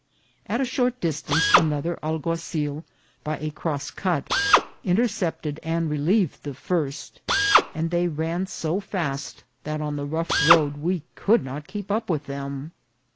At a short distance another alguazil, by a cross cut, intercepted and relieved the first, and they ran so fast that on the rough road we could not keep up with them.